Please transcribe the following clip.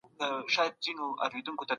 دا لارې که عملي شي یاد پیاوړی کېږي.